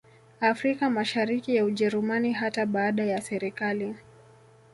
Afrika Mashariki ya Ujerumani hata baada ya serikali